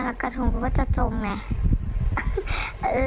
กระทงกูก็จะจงไง